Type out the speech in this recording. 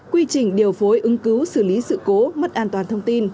quy trình điều phối ứng cứu xử lý sự cố mất an toàn thông tin